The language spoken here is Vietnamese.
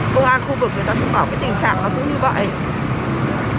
công an khu vực người ta cũng bảo tình trạng nó cũng như vậy